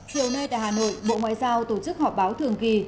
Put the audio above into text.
chiều nay tại hà nội bộ ngoại giao tổ chức họp báo thường kỳ